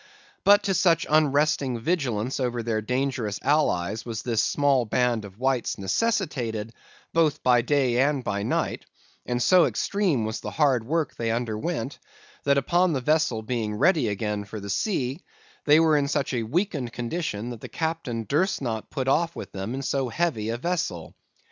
But to such unresting vigilance over their dangerous allies was this small band of whites necessitated, both by night and by day, and so extreme was the hard work they underwent, that upon the vessel being ready again for sea, they were in such a weakened condition that the captain durst not put off with them in so heavy a vessel.